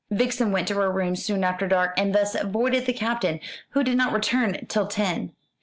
Vixen went to her room soon after dark, and thus avoided the Captain, who did not return till ten.